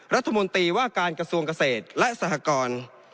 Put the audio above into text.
รัฐมนตรีว่าการกระทรวงเกษตรและสหกร